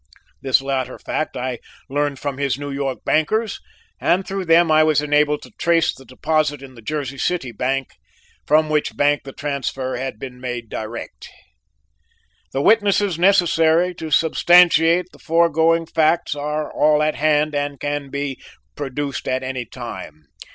This latter fact I learned from his New York bankers and through them I was enabled to trace the deposit in the Jersey City bank, from which bank the transfer had been made direct. "The witnesses necessary to substantiate the foregoing facts are all at hand and can be produced at any time.